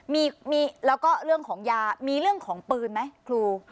มีแล้วก็เรื่องของยามีเรื่องของปืนไหมครู